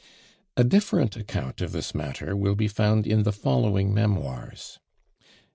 A different account of this matter will be found in the following memoirs.